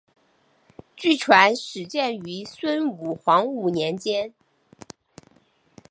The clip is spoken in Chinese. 据传始建于孙吴黄武年间。